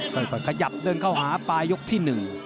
ค่อยขยับเดินเข้าหาปลายยกที่๑